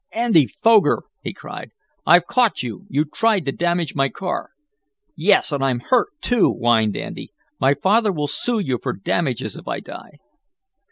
"Andy Foger!" he cried. "I've caught you! You tried to damage my car!" "Yes, and I'm hurt, too!" whined Andy. "My father will sue you for damages if I die."